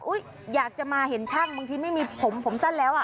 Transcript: อยากจะมาเห็นช่างบางทีไม่มีผมผมสั้นแล้วอ่ะ